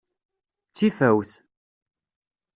D tifawt.